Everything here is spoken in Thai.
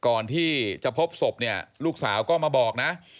ก่อนที่จะพบศพเนี่ยลูกสาวก็มาบอกนะ